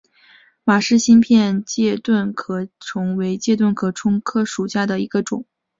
马氏新片盾介壳虫为盾介壳虫科新片盾介壳虫属下的一个种。